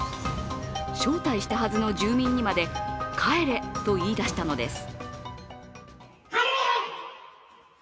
招待したはずの住民にまで帰れと言い出したのです。